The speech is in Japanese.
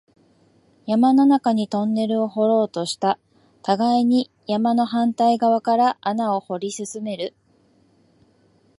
山の中にトンネルを掘ろうとした、互いに山の反対側から穴を掘り進める